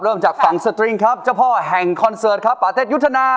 จากฝั่งสตริงครับเจ้าพ่อแห่งคอนเสิร์ตครับปาเต็ดยุทธนา